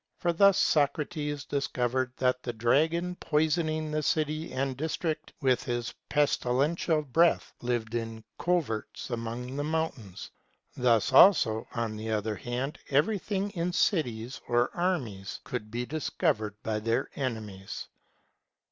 For thus Socrates discovered that the dragon, poison ing the city and district with his pestilential breath, lived in coverts among the mountains; thus also, on the other hand, everything in cities or armies could be discovered by their enemies.